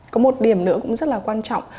có một điểm nữa cũng rất là quan trọng